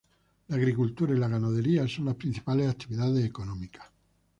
La agricultura y la ganadería son las principales actividades económicas.